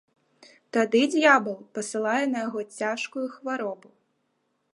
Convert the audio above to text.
Тады д'ябал пасылае на яго цяжкую хваробу.